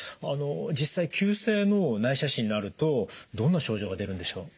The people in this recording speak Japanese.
実際急性の内斜視になるとどんな症状が出るんでしょう？